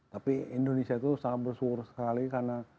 tapi indonesia itu sangat bersyukur sekali karena